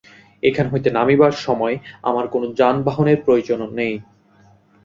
এখান হইতে নামিবার সময় আমার কোন যানবাহনের প্রয়োজন নাই।